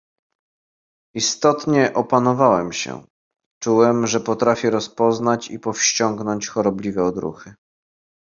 "Istotnie opanowałem się, czułem, że potrafię rozpoznać i powściągnąć chorobliwe odruchy."